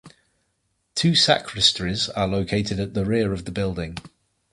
Two sacristies are located at the rear of the building.